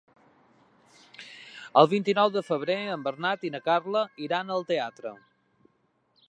El vint-i-nou de febrer en Bernat i na Carla iran al teatre.